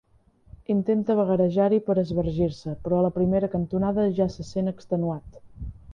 Intenta vagarejar-hi per esbargir-se, però a la primera cantonada ja se sent extenuat.